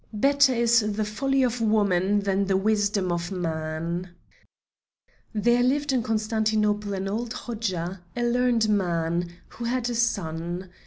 BETTER IS THE FOLLY OF WOMAN THAN THE WISDOM OF MAN There lived in Constantinople an old Hodja, a learned man, who had a son.